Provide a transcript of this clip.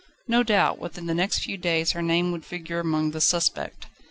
No doubt, within the next few days her name would figure among the "suspect."